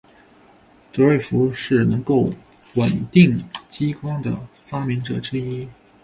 德瑞福是能够稳定激光的的发明者之一。